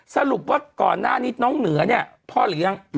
สรุปว่าก่อนหน้านี้น้องเหนือเนี่ยพ่อเลี้ยง